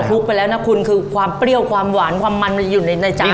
ลุกไปแล้วนะคุณคือความเปรี้ยวความหวานความมันมันอยู่ในใจ